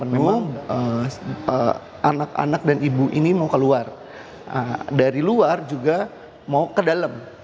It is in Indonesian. memang anak anak dan ibu ini mau keluar dari luar juga mau ke dalam